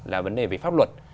là vấn đề về pháp luật